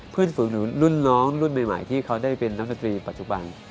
เพื่อฝึกหนุนรุ่นน้องรุ่นใหม่ที่เขาได้เป็นนักดนตรีปัจจุบัน